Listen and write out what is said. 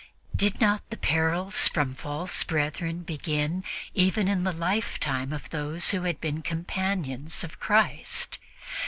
Did not the 'perils from false brethren' begin even in the lifetime of those who had been the companions of Christ?